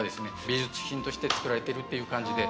美術品として作られてるっていう感じで。